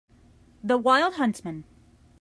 The wild huntsman